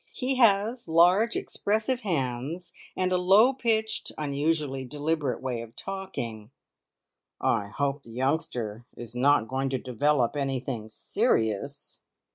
He has large, expressive hands, and a low pitched, unusually deliberate way of talking. "I hope the youngster is not going to develop anything serious!"